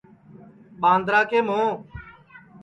ٻاندرا کے مھوں